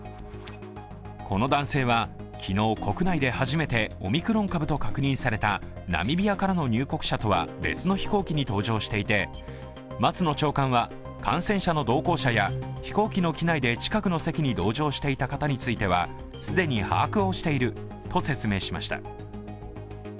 この男性は、昨日国内で初めてオミクロン株と確認されたナミビアからの入国者とは別の飛行機に搭乗していて松野長官は感染者の同行者や飛行機の機内で近くの席に同乗していた方については既に把握していると説明しました。